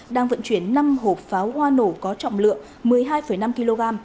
đang vận chuyển năm hộp pháo hoa nổ có trọng lượng một mươi hai năm kg